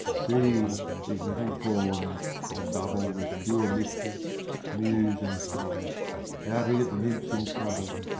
See 1 these little fauns, a bubble With pure mischief, muse and plot How to get the nymphs in trouble.